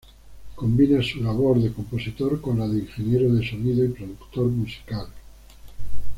Combina su labor de compositor con la de Ingeniero de Sonido y productor musical.